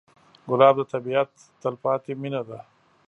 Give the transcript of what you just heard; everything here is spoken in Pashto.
ګلاب د طبیعت تلپاتې مینه ده.